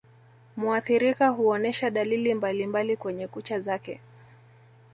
Muathirika huonesha dalili mbalimbali kwenye kucha zake